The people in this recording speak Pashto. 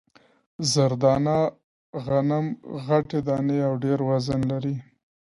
زر دانه غنم غټې دانې او ډېر وزن لري.